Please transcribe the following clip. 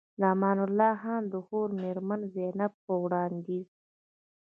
د امان الله خان د خور مېرمن زينب په وړانديز